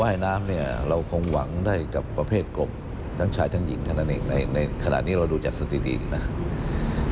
ว่ายน้ำเนี่ยเราคงหวังได้กับประเภทกบทั้งชายทั้งหญิงเท่านั้นเองในขณะนี้เราดูจากสถิตินะครับ